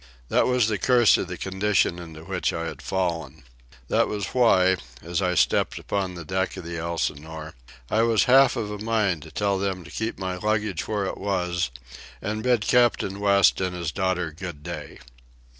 That was the curse of the condition into which I had fallen. That was why, as I stepped upon the deck of the Elsinore, I was half of a mind to tell them to keep my luggage where it was and bid Captain West and his daughter good day.